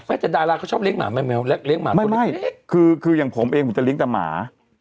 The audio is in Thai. แต่ดาราเค้าชอบเลี้ยงหมาไหมไม่คืออย่างผมเองผมจะเลี้ยงแต่หมา